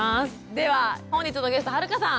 では本日のゲスト春香さん。